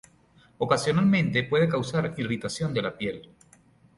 Ocasionalmente puede causar irritación de la piel.